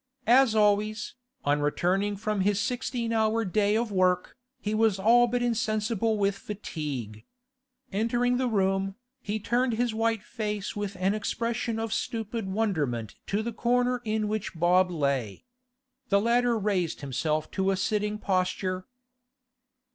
As always, on returning from his sixteen hour day of work, he was all but insensible with fatigue. Entering the room, he turned his white face with an expression of stupid wonderment to the corner in which Bob lay. The latter raised himself to a sitting posture.